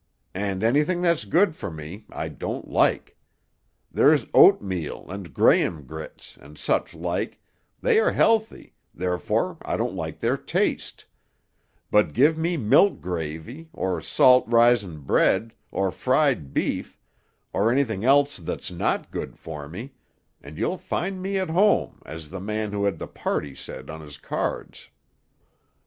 And anything that's good for me, I don't like. There's oatmeal, and graham grits, and such like they are healthy, therefore I don't like their taste; but give me milk gravy, or salt risin' bread, or fried beef, or anything else that's not good for me, and you'll find me at home, as the man who had the party said on his cards."